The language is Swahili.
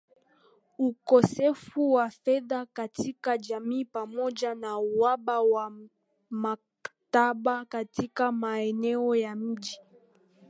Ukosefu wa fedha katika jamii pamoja na uhaba wa maktaba katika maeneo ya miji.